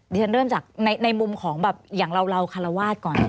ฉันเริ่มจากในมุมของแบบอย่างเราคารวาสก่อน